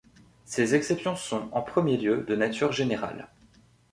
Ces exceptions sont, en premier lieu, de nature générale.